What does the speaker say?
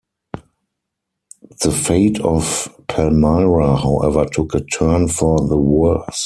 The fate of Palmyra, however took a turn for the worse.